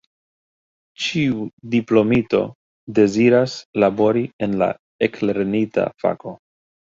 Ĉiu diplomito deziras labori en la eklernita fako.